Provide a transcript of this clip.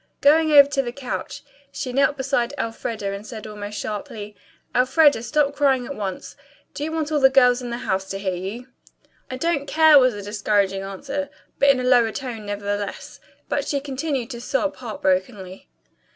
Going over to the couch, she knelt beside Elfreda and said almost sharply, "Elfreda, stop crying at once. Do you want all the girls in the house to hear you?" "I don't care," was the discouraging answer, but in a lower tone, nevertheless; but she continued to sob heart brokenly.